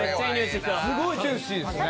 すごいジューシーですね。